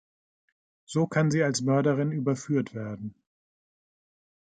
So kann sie als Mörderin überführt werden.